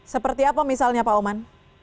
seperti apa misalnya pak oman